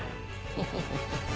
フフフフ！